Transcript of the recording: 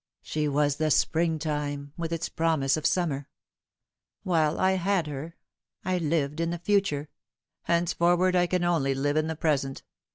" She was the spring time, with its promise of summer. While I had her I lived in the future ; henceforward I can only live in the present.